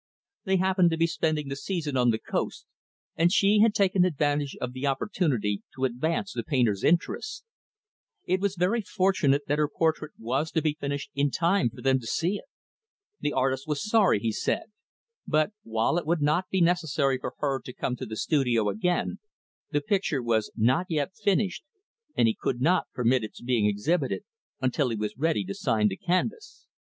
They happened to be spending the season on the Coast, and she had taken advantage of the opportunity to advance the painter's interests. It was very fortunate that her portrait was to be finished in time for them to see it. The artist was sorry, he said, but, while it would not be necessary for her to come to the studio again, the picture was not yet finished, and he could not permit its being exhibited until he was ready to sign the canvas.